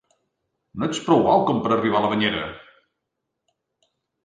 No ets prou alt com per arribar a la banyera!